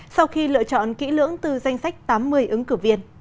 sau khi lựa chọn kỹ lưỡng từ danh sách tám mươi ứng cử viên